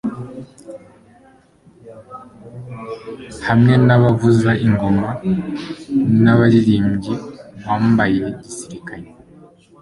hamwe n'abavuza ingoma n'abaririmbyi bambaye gisirikare